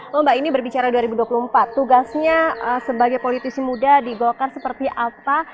loh mbak ini berbicara dua ribu dua puluh empat tugasnya sebagai politisi muda di golkar seperti apa